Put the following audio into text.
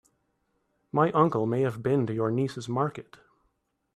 My uncle may have been to your niece's market.